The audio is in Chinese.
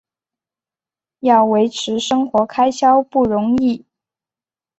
要维持生活开销不容易